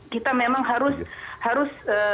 kita memang harus